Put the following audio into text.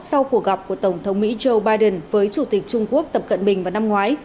sau cuộc gặp của tổng thống mỹ joe biden với chủ tịch trung quốc tập cận bình vào năm ngoái